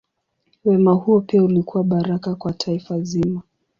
Wema huo pia ulikuwa baraka kwa taifa zima.